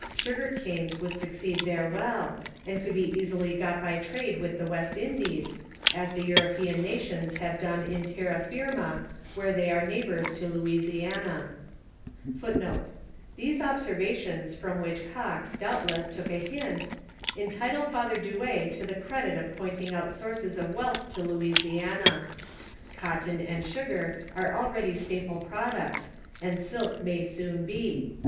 Sugar canes would succeed there well, and could be easily got by trade with the "West Indies, as the Europeans nations have done in Terra firma, where they are neighbors to Louisiana.* Besides, the great * These observations from which Coxe {Hist. Coll. of Louisiana, vol. iii,, pp. 262 65), doubtless, took a hint, entitle Father Douay to the credit of pointing out sources of wealth to Louisiana. Cotton and sugar are already staple prod ucts, and silk may soon be.